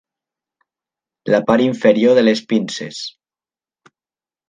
La part inferior de les pinces.